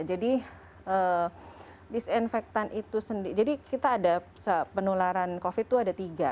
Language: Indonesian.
jadi disinfektan itu jadi kita ada penularan covid itu ada tiga